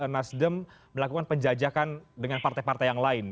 nasdem melakukan penjajakan dengan partai partai yang lain